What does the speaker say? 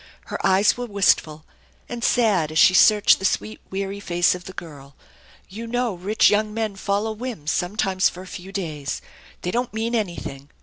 Her eyes were wistful and sad as she searched the sweet, weary face of the girl. "You know rich young men follow whims sometimes for a few days. They don't mean anything.